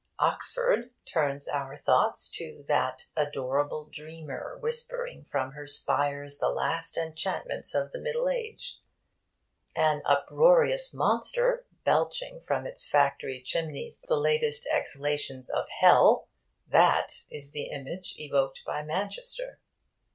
'Oxford' turns our thoughts to that 'adorable dreamer, whispering from her spires the last enchantments of the Middle Age.' An uproarious monster, belching from its factory chimneys the latest exhalations of Hell that is the image evoked by 'Manchester.'